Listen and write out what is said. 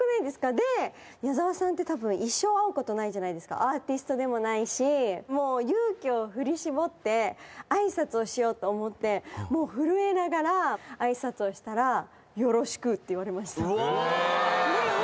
で矢沢さんってたぶん一生会うことないじゃないですかアーティストでもないしもうをしようと思ってもう震えながら挨拶をしたらよろしく！って言われましたでうわ